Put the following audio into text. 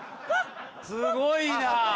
すごいな！